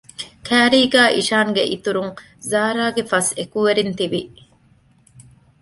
ކައިރީގައި އިޝާންގެ އިތުރުން ޒާރާގެ ފަސް އެކުވެރިން ތިވި